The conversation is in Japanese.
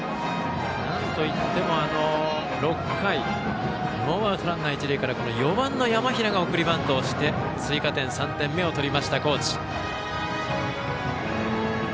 なんといっても６回ノーアウトランナー、一塁から４番、山平が送りバントをして追加点、３点目を取った高知。